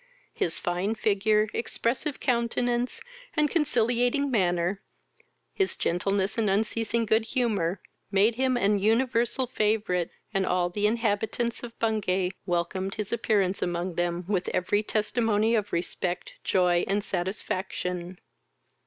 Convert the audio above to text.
His fine figure, expressive countenance, and conciliating manner, his gentleness, and unceasing good humour, made him an universal favourite, and all the inhabitants of Bungay welcomed his appearance among them with every testimony of respect, joy, and satisfaction.